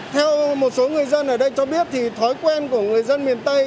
theo một số người dân ở đây cho biết thì thói quen của người dân miền tây